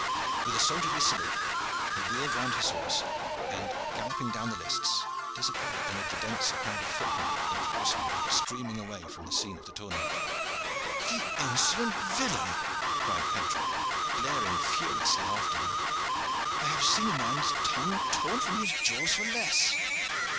With a soldierly salute, he wheeled round his horse, and, galloping down the lists, disappeared amid the dense crowd of footmen and of horsemen who were streaming away from the scene of the tournament. "The insolent villain!" cried Pedro, glaring furiously after him. "I have seen a man's tongue torn from his jaws for less.